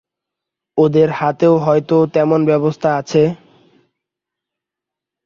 ওদের হাতেও হয়তো তেমন ব্যবস্থা আছে।